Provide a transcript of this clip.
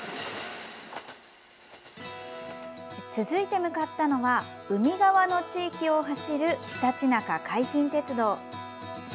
続いて向かったのは海側の地域を走るひたちなか海浜鉄道。